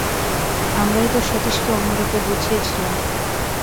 আমরাই তো সতীশকে অন্যরূপ বুঝিয়েছিলেম।